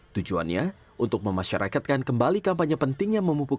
tujuannya untuk memasyarakatkan kembali kampanye pentingnya memupuk